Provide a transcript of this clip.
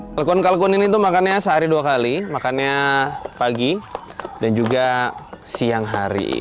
kalkun kalkun ini tuh makannya sehari dua kali makannya pagi dan juga siang hari